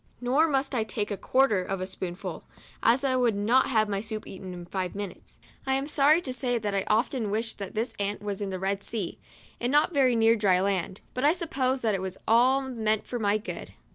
Nor must I take a quarter of a spoonful, as I would not have my soup eaten in five minutes. I am sorry to say that I often wished that this aunt was in the Red Sea, and not very near dry land ; but I suppose that it was all meant for my good.